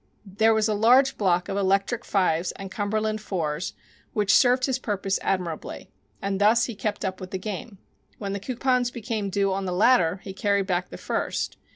There was a large block of Electric 5s and Cumberland 4s which served his purpose admirably, and thus he kept up with the game. When the coupons became due on the latter he carried back the first.